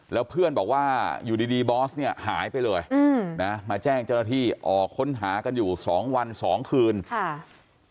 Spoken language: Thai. แล้วเพื่อนบอกว่าอยู่ดีดีบอสเนี่ยหายไปเลยอืมนะมาแจ้งเจ้าหน้าที่ออกค้นหากันอยู่สองวันสองคืนค่ะ